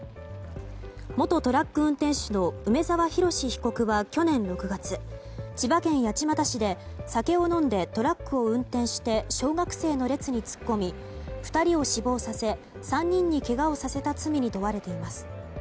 元トラック運転手の梅沢洋被告は去年６月、千葉県八街市で酒を飲んでトラックを運転して小学生の列に突っ込み２人を死亡させ３人にけがをさせた罪に問われています。